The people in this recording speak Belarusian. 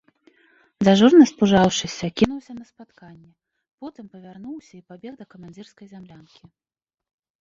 Дзяжурны, спужаўшыся, кінуўся на спатканне, потым павярнуўся і пабег да камандзірскай зямлянкі.